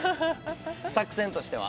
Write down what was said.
作戦としては？